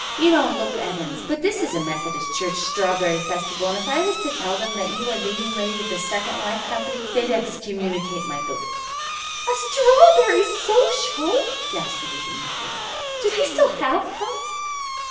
You don't look Evans, but this is a Methodist church strawberry festival, and if I was to tell them that you are leading lady of the 'Second Wife' company they'd excommunicate my booth." "A strawberry social!" gasped the leading lady. "Do they still have them?"